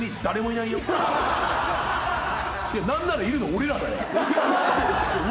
誰もいないよ。